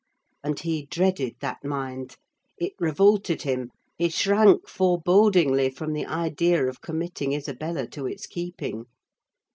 And he dreaded that mind: it revolted him: he shrank forebodingly from the idea of committing Isabella to its keeping.